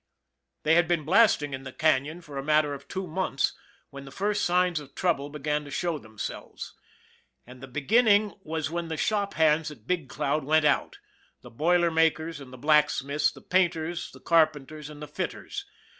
They had been blasting in the Canon for a matter of two months when the first signs of trouble began to show themselves, and the beginning was when the shop hands at Big Cloud went out the boiler makers and the blacksmiths, the painters, the carpenters and the fitters.